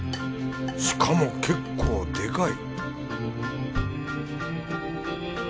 しかも結構でかい